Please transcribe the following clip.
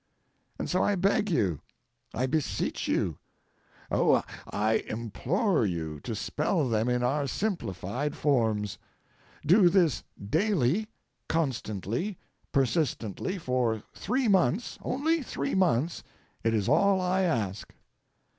And so I beg you, I beseech you—oh, I implore you to spell them in our simplified forms. Do this daily, constantly, persistently, for three months—only three months—it is all I ask.